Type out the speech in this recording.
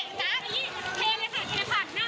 เพลงเลยค่ะเพลงค่ะหน้าพี่ขอ